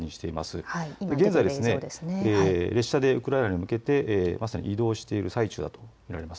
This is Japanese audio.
今現在、列車でウクライナに向けて移動している最中だと見られます。